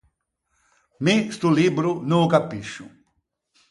Mi sto libbro no ô capiscio.